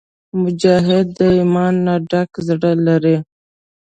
مجاهد د ایمان نه ډک زړه لري.